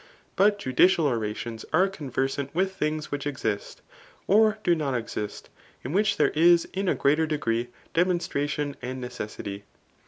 But judi cial orations are conversant with things which exist, or do not exist, in which there is in a greater degree demon stration and necessity.